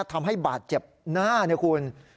ทำให้บาดเจ็บหน้าเนี่ยคุณ